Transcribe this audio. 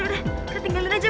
car untuk sedih pasti